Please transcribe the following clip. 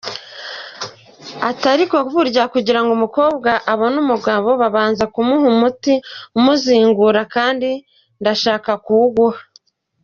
Ati ariko burya kugirango umukobwa abone umugabo babanza kumuha umuti umuzingura kandi ndashaka kuwuguha.